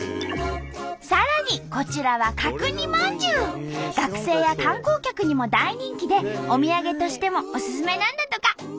さらにこちらは学生や観光客にも大人気でお土産としてもおすすめなんだとか。